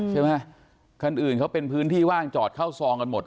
ใช่ไหมคันอื่นเขาเป็นพื้นที่ว่างจอดเข้าซองกันหมด